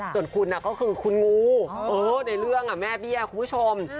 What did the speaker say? ส่วนคุณก็คือคุณงูในเรื่องแม่เบี้ยคุณผู้ชม